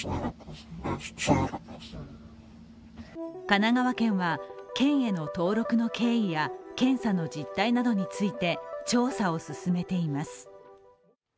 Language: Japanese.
神奈川県は県への登録の経緯や検査の実態などについて調査を進めています。